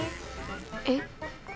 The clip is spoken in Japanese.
えっ？